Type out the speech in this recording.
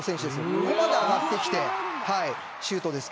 ここまで上がってきてシュートです。